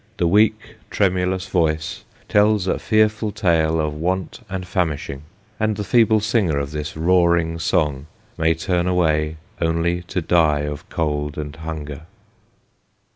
The weak tremulous voice tells a fearful tale of want and famishing ; and the feeble singer of this roaring song may turn away, only to die of cold and hunger.